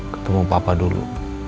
ketemu papa dulu